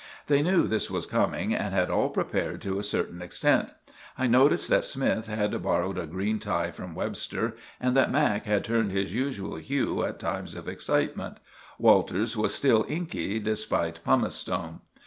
They knew this was coming, and had all prepared to a certain extent. I noticed that Smythe had borrowed a green tie from Webster, and that Mac. had turned his usual hue at times of excitement. Walters was still inky, despite pumice stone.